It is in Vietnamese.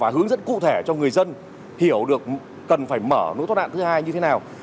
hướng dẫn cụ thể cho người dân hiểu được cần phải mở lối thoát nạn thứ hai như thế nào